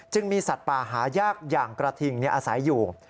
มีสัตว์ป่าหายากอย่างกระทิงอาศัยอยู่